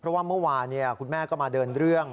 เพราะว่าเมื่อวานคุณแม่ก็มาเดินเรื่อง